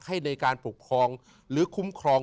ให้ในการปกครองหรือคุ้มครอง